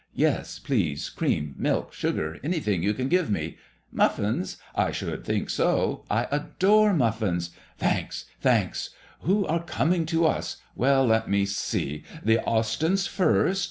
Yes, please. Cream, milk, sugar, everything you can give me. Muffins ? 1 should think so. 1 adore muffins. Thanks, thanks 1 Who are coming to us? Well, let me see. The Austyns first.